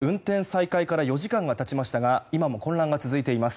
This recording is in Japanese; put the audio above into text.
東海道新幹線は運転再開から４時間が経ちましたが今も混乱が続いています。